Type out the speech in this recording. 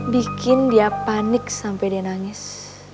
bikin dia panik sampai dia nangis